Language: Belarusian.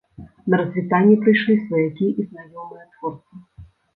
На развітанне прыйшлі сваякі і знаёмыя творцы.